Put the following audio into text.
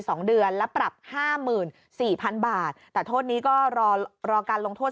สองเดือนและปรับห้าหมื่นสี่พันบาทแต่โทษนี้ก็รอรอการลงโทษ